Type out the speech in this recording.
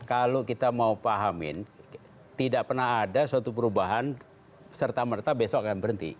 kalau kita mau pahamin tidak pernah ada suatu perubahan serta merta besok akan berhenti